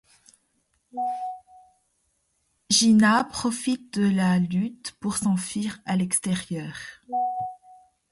Gina profite de la lutte pour s'enfuir à l'extérieur.